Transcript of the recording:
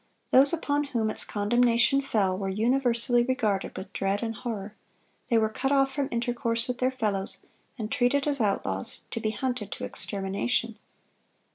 Those upon whom its condemnation fell, were universally regarded with dread and horror; they were cut off from intercourse with their fellows, and treated as outlaws, to be hunted to extermination.